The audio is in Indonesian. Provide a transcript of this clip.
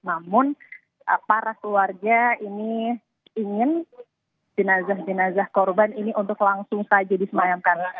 namun para keluarga ini ingin jenazah jenazah korban ini untuk langsung saja disemayamkan